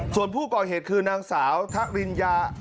ส่วนผู้ก่อเหตุคือนางสาวทะริญญา